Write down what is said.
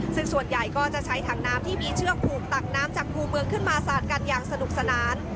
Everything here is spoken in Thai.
ซึ่งส่วนใหญ่ก็จะใช้ถังน้ำที่มีเชือกผูกตักน้ำจากคู่เมืองขึ้นมาสาดกันอย่างสนุกสนาน